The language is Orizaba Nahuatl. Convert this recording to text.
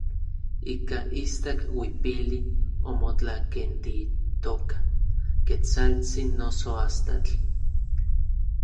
Ika istak uipili omotlakentitoka Ketsaltsin noso Astatl.